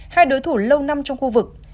hai đối thủ lâu năm trong khu vực